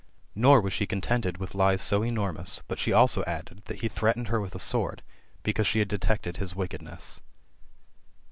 Nor was she contented with Ues so enormous, but she also added, that he threatened her with a sword, because she had detected his wickedness.